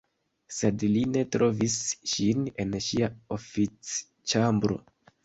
Sed li ne trovis ŝin en ŝia oficĉambro.